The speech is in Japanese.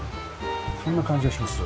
そんな感じがします。